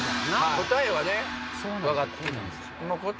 答えはね分かってるんすよ。